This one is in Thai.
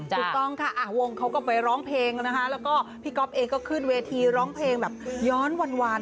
ถูกต้องค่ะวงเขาก็ไปร้องเพลงนะคะแล้วก็พี่ก๊อฟเองก็ขึ้นเวทีร้องเพลงแบบย้อนวัน